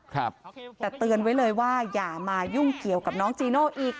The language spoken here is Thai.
ครับแต่เตือนไว้เลยว่าอย่ามายุ่งเกี่ยวกับน้องจีโน่อีก